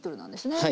はい。